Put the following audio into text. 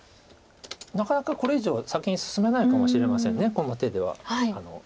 なかなかこれ以上は先に進めないかもしれませんこの手では。